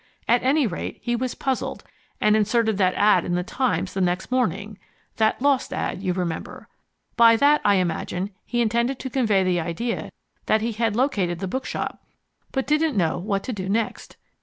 At any rate, he was puzzled, and inserted that ad in the Times the next morning that LOST ad, you remember. By that, I imagine, he intended to convey the idea that he had located the bookshop, but didn't know what to do next.